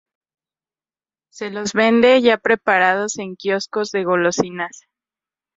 Se los vende ya preparados en quioscos de golosinas.